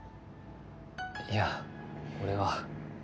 いや俺は。